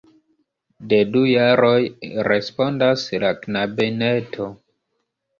De du jaroj, respondas la knabineto.